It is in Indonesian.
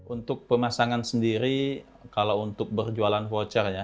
untuk pemasangan sendiri kalau untuk berjualan voucher ya